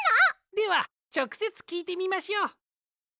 ではちょくせつきいてみましょう。